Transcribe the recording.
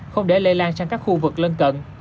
không để lây lan sang các khu vực lân cận